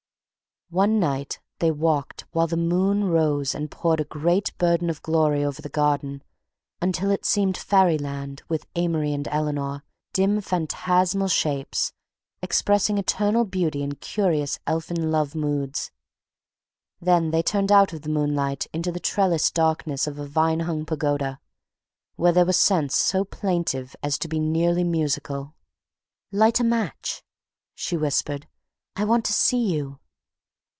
One night they walked while the moon rose and poured a great burden of glory over the garden until it seemed fairyland with Amory and Eleanor, dim phantasmal shapes, expressing eternal beauty in curious elfin love moods. Then they turned out of the moonlight into the trellised darkness of a vine hung pagoda, where there were scents so plaintive as to be nearly musical. "Light a match," she whispered. "I want to see you."